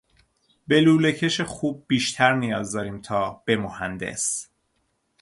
به لولهکش خوب بیشتر نیاز داریم تا به مهندس.